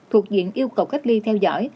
thuộc diện yêu cầu cách ly theo dõi